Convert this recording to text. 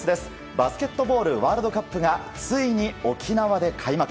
バスケットボールワールドカップが、ついに沖縄で開幕。